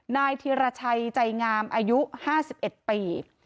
นายธีรชัยใจงามอายุ๕๑ปี